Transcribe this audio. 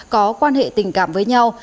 có quan hệ tình cảm với nhau